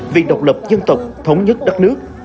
vì độc lập dân tộc thống nhất đất nước